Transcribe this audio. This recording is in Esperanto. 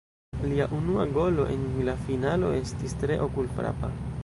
Lia unua golo en la finalo estis tre okul-frapa.